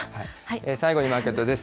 最後にマーケットです。